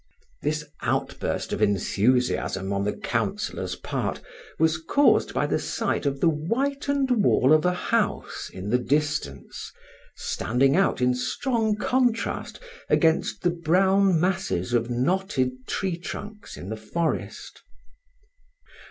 This outburst of enthusiasm on the Councillor's part was caused by the sight of the whitened wall of a house in the distance, standing out in strong contrast against the brown masses of knotted tree trunks in the forest.